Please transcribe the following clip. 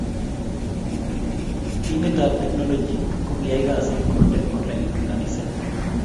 Timit ab teknoloji kokiyay kasit konde online kaniset